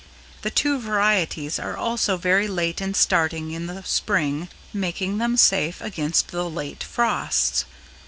The two varieties are also very late in starting in the Spring making them safe against the late frosts.